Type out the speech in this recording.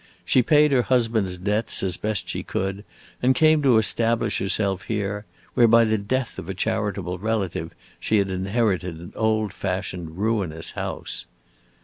She paid her husband's debts as best she could, and came to establish herself here, where by the death of a charitable relative she had inherited an old fashioned ruinous house.